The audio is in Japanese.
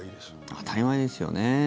当たり前ですよね。